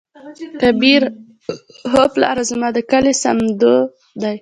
کبير : هو پلاره زموږ د کلي صمدو دى.